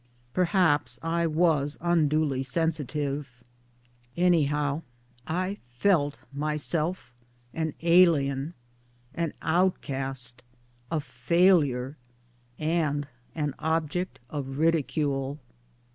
Perhaps I was unduly sensitive ; anyhow I felt MY DAYS AND DREAMS myself an alien, an outcast, a failure, and an object of ridicule.